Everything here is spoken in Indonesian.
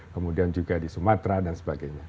kemudian juga di sumatera dan sebagainya